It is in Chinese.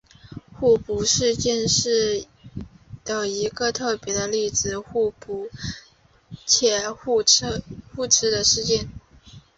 互补事件的一个特别例子是互补且互斥的事件。